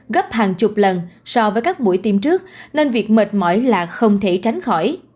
gấp hàng chục lần so với các buổi tiêm trước nên việc mệt mỏi là không thể tránh khỏi